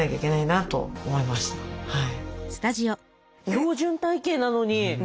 標準体形なのに。